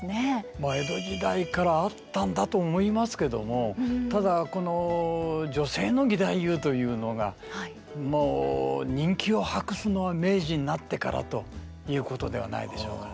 まあ江戸時代からあったんだと思いますけどもただこの女性の義太夫というのがもう人気を博すのは明治になってからということではないでしょうかね。